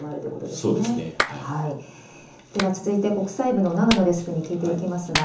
ででは続いて国際部の長野デスクに聞いていきます。